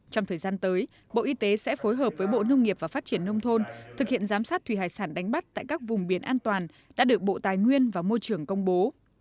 trong thời gian tới bộ y tế sẽ phối hợp với bộ nông nghiệp và phát triển nông thôn thực hiện giám sát thủy hải sản đánh bắt tại các vùng biển an toàn đã được bộ tài nguyên và môi trường công bố